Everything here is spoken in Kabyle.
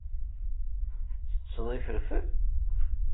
Tettetteḍ ifelfel?